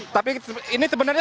tapi ini sebenarnya